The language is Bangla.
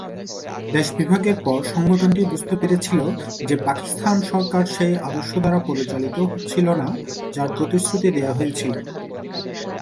দেশবিভাগের পর সংগঠনটি বুঝতে পেরেছিল যে পাকিস্তান সরকার সেই আদর্শ দ্বারা পরিচালিত হচ্ছিল না যার প্রতিশ্রুতি দেয়া হয়েছিল।